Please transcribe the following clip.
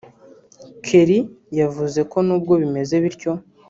Kerry yavuze ko nubwo bimeze bityo